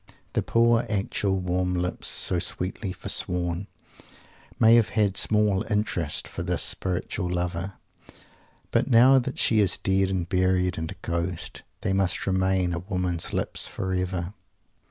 The poor, actual, warm lips, "so sweetly forsworn," may have had small interest for this "spiritual" lover, but now that she is dead and buried, and a ghost, they must remain a woman's lips forever!